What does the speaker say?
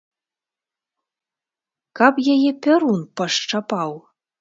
Каб яе пярун пашчапаў!